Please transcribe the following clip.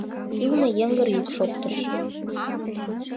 Ӱлнӧ йыҥгыр йӱк шоктыш.